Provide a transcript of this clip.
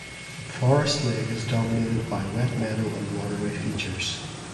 Forest Lake is dominated by wet meadow and waterway features.